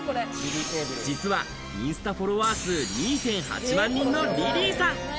実はインスタフォロワー数２．８万人のＬｉｌｙさん。